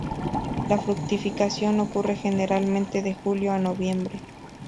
La fructificación ocurre generalmente de julio a noviembre.